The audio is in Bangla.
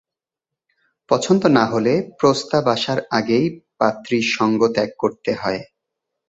পছন্দ না হলে প্রস্তাব আসার আগেই পাত্রীর সঙ্গ ত্যাগ করতে হয়।